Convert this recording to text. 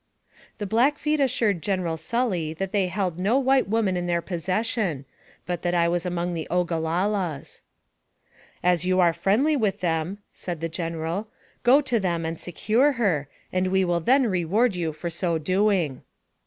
The Blackfeet assured General Sully that they held no white woman in their possession, but that I was among the Ogalallas. " As you are friendly with them," said the General, "go to them and secure her, and we will then reward you for so doing."